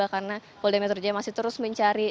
karena pol demetrija masih terus mencari